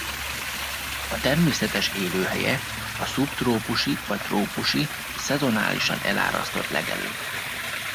A természetes élőhelye a szubtrópusi vagy trópusi szezonálisan elárasztott legelők.